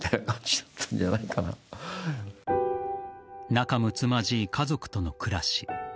仲むつまじい家族との暮らし。